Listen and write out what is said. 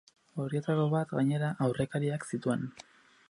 Horietako bat, gainera, aurrekariak zituen.